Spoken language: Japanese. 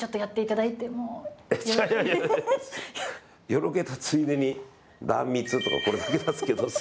よろけたついでに、壇蜜とか、これだけなんですけど。